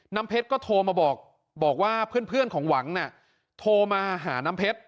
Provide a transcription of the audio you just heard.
น้ำเพชรก็โทรมาบอกบอกว่าเพื่อนของหวังน่ะโทรมาหาน้ำเพชร